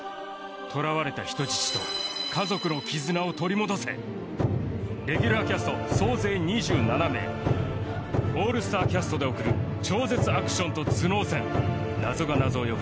捕らわれた人質と家族の絆を取り戻せオールスターキャストで送る超絶アクションと頭脳戦謎が謎を呼ぶ